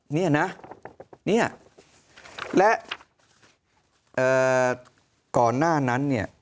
นี่นะและก่อนหน้านั้น